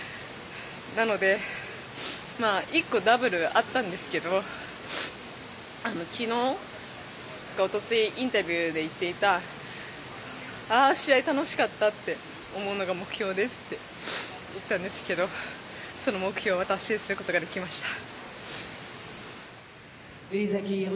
なので１個、ダブルがあったんですが昨日かおとついインタビューで言っていたああ、試合楽しかったって思うのが目標ですって言ったんですけどその目標を達成することができました。